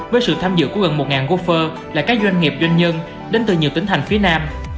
với sự tham dự của gần một gốc phơ là các doanh nghiệp doanh nhân đến từ nhiều tỉnh thành phía nam